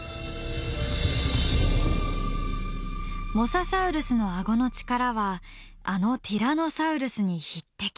モササウルスのあごの力はあのティラノサウルスに匹敵。